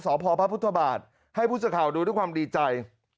สพพระพุทธบาทให้ผู้สื่อข่าวดูด้วยความดีใจ